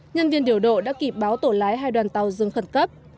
nhân viên điều độ đã kịp báo tổ lái hai đoàn tàu dừng khẩn cấp